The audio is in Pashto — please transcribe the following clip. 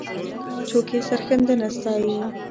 څوک یې سرښندنه ستایي؟